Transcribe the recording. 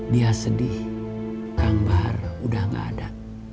dia sedih kang bahar udah gak ada